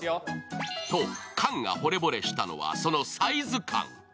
菅がほれぼれしたのはそのサイズ感。